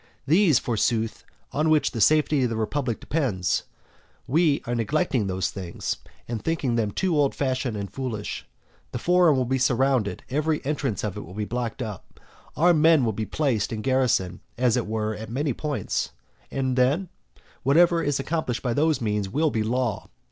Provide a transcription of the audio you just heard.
Those, forsooth, on which the safety of the republic depends. We are neglecting those things, and thinking them too old fashioned and foolish. The forum will be surrounded, every entrance of it will be blocked up, armed men will be placed in garrison, as it were, at many points. What then? whatever is accomplished by those means will be law.